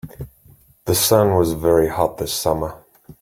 The sun was very hot this summer.